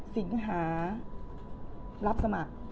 สิงหารับสมัคร